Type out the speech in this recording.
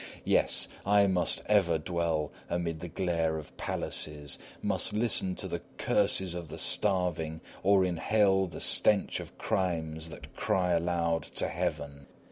Yea, I must ever dwell amid the glare of palaces, must listen to the curses of the starving, or inhale the stench of crimes that cry aloud to heaven.